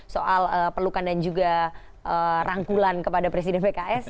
soal pelukan dan juga rangkulan kepada presiden pks